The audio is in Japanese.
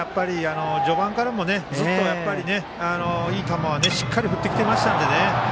序盤からもずっといい球は振ってきていましたのでね。